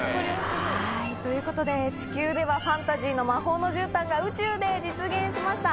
はいということで地球ではファンタジーの魔法のじゅうたんが宇宙で実現しました。